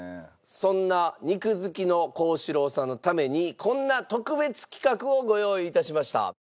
そんな肉好きの幸四郎さんのためにこんな特別企画をご用意致しました。